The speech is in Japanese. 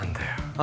あ